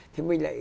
thì mình lại